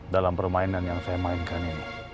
dalam permainan yang saya mainkan ini